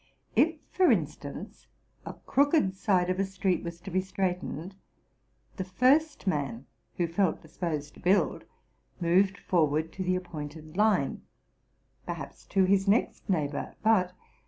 If, for instance, a crooked side of a street was to be straightened, the first man who felt disposed to build moved forward to the appointed line, perhaps, too, his next neighbor, but.